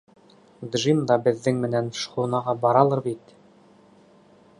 — Джим да беҙҙең менән шхунаға баралыр бит?